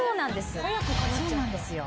そうなんですよ。